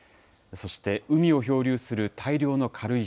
そして、海を漂流する大量の軽石。